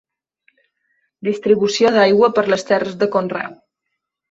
Distribució d'aigua per les terres de conreu.